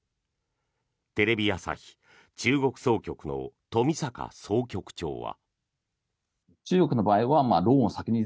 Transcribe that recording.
テレビ朝日中国総局の冨坂総局長は。